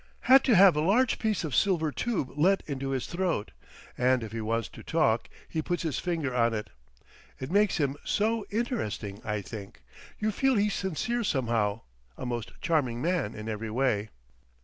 "Had to have a large piece of silver tube let into his throat, and if he wants to talk he puts his finger on it. It makes him so interesting, I think. You feel he's sincere somehow. A most charming man in every way."